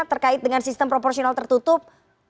terkait dengan sistem proporsional tertutup